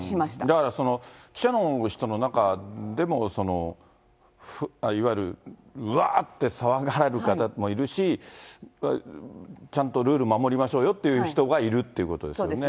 だからその、記者の人の中でも、いわゆるわーって騒がれる方もいるし、ちゃんとルール守りましょうよって人がいるっていうことですよね。